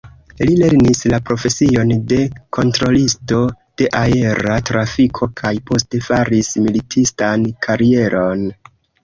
Li lernis la profesion de kontrolisto de aera trafiko kaj poste faris militistan karieron.